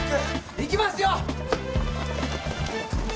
行きますよ。